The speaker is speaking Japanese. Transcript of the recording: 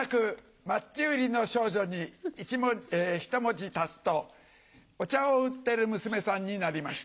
『マッチ売りの少女』にひと文字足すとお茶を売ってる娘さんになりました。